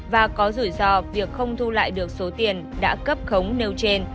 và có rủi ro việc không thu lại được số tiền đã cấp khống nêu trên